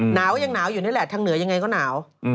หนาวก็ยังหนาวอยู่นี่แหละทางเหนือยังไงก็หนาว